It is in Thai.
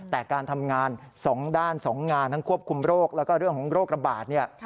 แต่การทำงาน๒ด้าน๒งานทั้งควบคุมโรคแล้วก็เรื่องของโรคระบาดเนี่ย